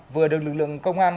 vừa được lực lượng công an